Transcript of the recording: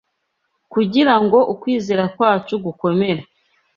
Kugira ngo ukwizera kwacu gukomere